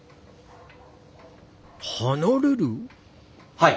はい。